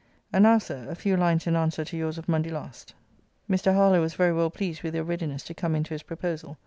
[And now, Sir, a few lines in answer to your's of Monday last.] [Mr. Harlowe was very well pleased with your readiness to come into his proposal.